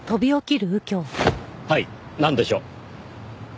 はいなんでしょう？